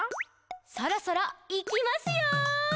「そろそろ、いきますよ！」